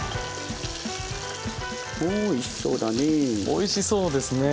おいしそうだね。